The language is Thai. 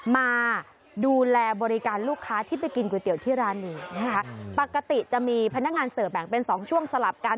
มาดูแลบริการลูกค้าที่ไปกินก๋วยเตี๋ยวที่ร้านนี้นะคะปกติจะมีพนักงานเสิร์ฟแบ่งเป็นสองช่วงสลับกัน